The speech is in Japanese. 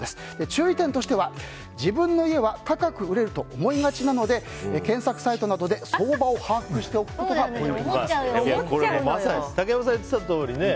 注意点としては自分の家は高く売れると思いがちなので検索サイトなどで相場を把握しておくことが思っちゃうよね。